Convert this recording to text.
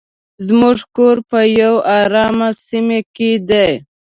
زموږ کور په یو ارامه سیمه کې دی.